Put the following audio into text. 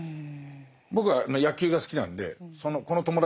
僕は野球が好きなんでこの友達関係をね